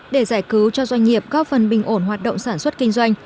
để giải cứu cho doanh nghiệp các phần bình ổn hoạt động sản xuất kinh doanh